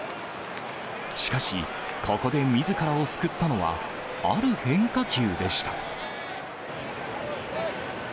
しかし、ここでみずからを救ったのは、ある変化球でした。